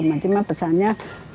makci mah pesannya